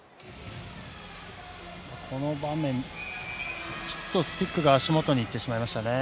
この場面、スティックが足元にいってしまいました。